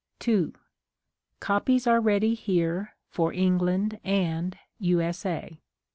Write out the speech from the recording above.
2. Copies are ready here for England and U. S. A.